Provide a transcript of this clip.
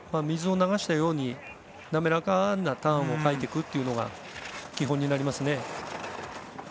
水を流したように滑らかなターンを描いていくというのが基本になりますね。